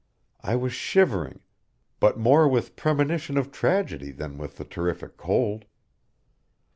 I was shivering but more with premonition of tragedy than with the terrific cold.